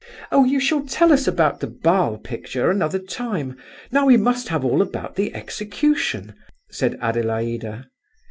"Oh, you shall tell us about the Basle picture another time; now we must have all about the execution," said Adelaida.